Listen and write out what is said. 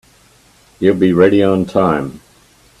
He'll be ready on time.